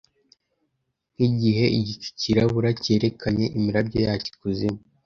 Nkigihe igicu cyirabura cyerekanye imirabyo yacyo ikuzimu